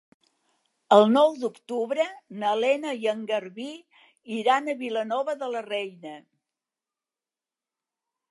El nou d'octubre na Lena i en Garbí iran a Vilanova de la Reina.